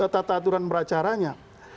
tata aturan beracaranya